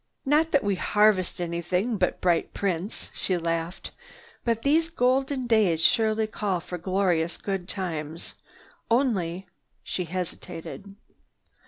Not that we harvest anything but bright prints," she laughed. "But these golden days surely call for glorious good times. Only—" she hesitated.